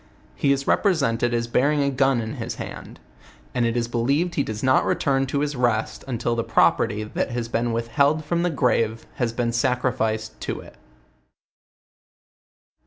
He is represented as bearing a gun in his hand; and it is believed lie does not return to his rest, until the property, that has been withheld from the grave has been sacrificed to it.